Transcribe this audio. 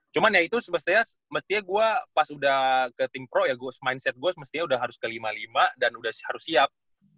cuman ya itu sebetulnya sebetulnya gue pas udah ke tim pro ya gue mindset gue sebetulnya udah harus ke lima x lima dan udah harus siap